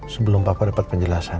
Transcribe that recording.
sebelum papa dapat penjelasan